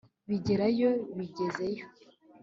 bigerayo, bigeze yo